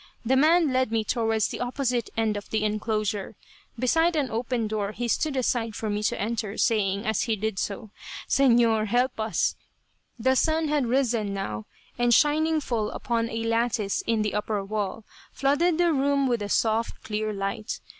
The man led me towards the opposite end of the enclosure. Beside an open door he stood aside for me to enter, saying, as he did so, "Señor, help us." The sun had risen, now, and shining full upon a lattice in the upper wall, flooded the room with a soft clear light.